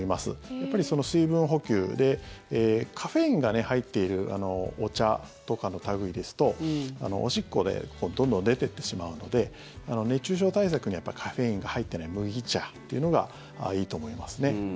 やっぱり水分補給でカフェインが入っているお茶とかの類いですとおしっこでどんどん出ていってしまうので熱中症対策には、やっぱりカフェインが入っていない麦茶というのがいいと思いますね。